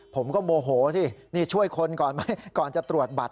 ผมก็โมโหสินี่ช่วยคนก่อนไหมก่อนจะตรวจบัตร